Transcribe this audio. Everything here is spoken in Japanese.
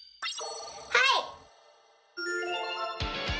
はい！